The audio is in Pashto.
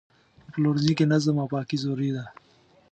په پلورنځي کې نظم او پاکي ضروري ده.